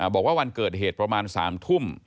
บอกว่าวันเกิดเหตุประมาณ๓ทุ่ม